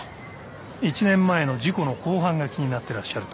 １年前の事故の公判が気になってらっしゃると。